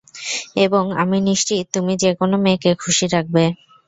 এবং আমি নিশ্চিত, তুমি যে কোনো মেয়েকে খুশি রাখবে।